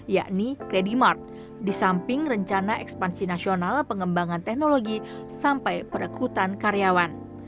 yakni credimark disamping rencana ekspansi nasional pengembangan teknologi sampai perekrutan karyawan